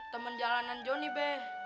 temen jalanan jonny be